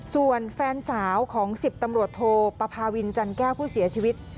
ส่วนแฟนสาวของ๑๐ตำรวจโทปภาวินจันแก้วผู้เสียชีวิต